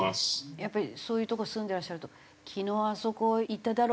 やっぱりそういうとこ住んでらっしゃると「昨日あそこいただろ？」